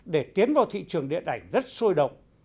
để tiến vào thị trường điện ảnh rất sôi động